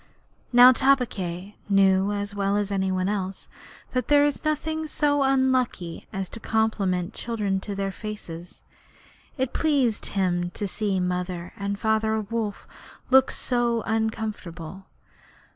Now, Tabaqui knew as well as any one else that there is nothing so unlucky as to compliment children to their faces; and it pleased him to see Mother and Father Wolf look uncomfortable.